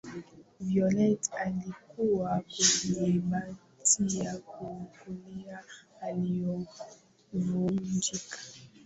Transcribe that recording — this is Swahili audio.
violet alikuwa kwenye boti ya kuokolea iliyovunjika